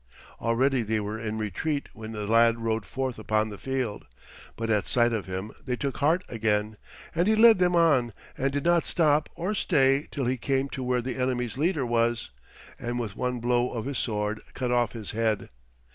Already they were in retreat when the lad rode forth upon the field. But at sight of him they took heart again, and he led them on and did not stop or stay till he came to where the enemy's leader was, and with one blow of his sword cut off his head.